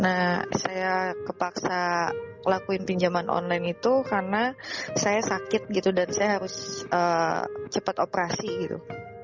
nah saya kepaksa lakuin pinjaman online itu karena saya sakit gitu dan saya harus cepat operasi gitu